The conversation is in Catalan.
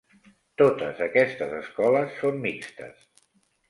Totes aquestes escoles són mixtes.